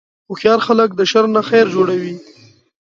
هوښیار خلک د شر نه خیر جوړوي.